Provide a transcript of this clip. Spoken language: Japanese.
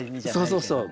そうそうそう。